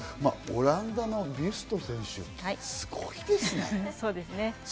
オランダのビュスト選手、すごいですね。